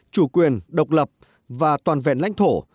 chủ quyền độc lập và toàn vẹn lãnh thổ